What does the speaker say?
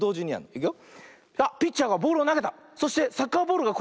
いくよ。